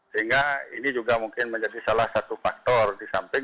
sehingga ini juga mungkin menjadi salah satu faktor di samping